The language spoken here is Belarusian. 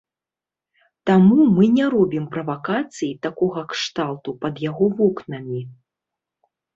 Таму мы не робім правакацый такога кшталту пад яго вокнамі.